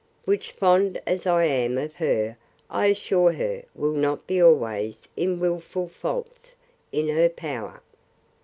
Which, fond as I am of her, I assure her, will not be always, in wilful faults, in her power.